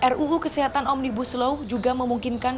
ruu kesehatan omnibus law juga memungkinkan